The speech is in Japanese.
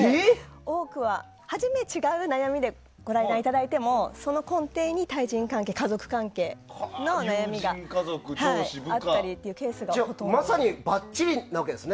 多くは、初め、違う悩みでご来院いただいてもその根底に対人関係や家族関係の悩みがあるケースがほとんどです。